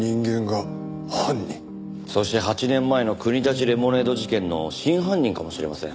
そして８年前の国立レモネード事件の真犯人かもしれません。